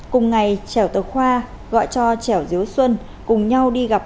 cùng ngày trèo tờ khoa gọi cho trẻo diếu xuân cùng nhau đi gặp